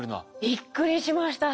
びっくりしました。